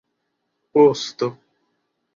osto